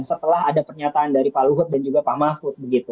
setelah ada pernyataan dari pak luhut dan juga pak mahfud